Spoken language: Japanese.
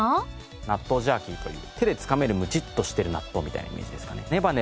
ナットウジャーキーという手でつかめるムチッとしてる納豆みたいなイメージですかね。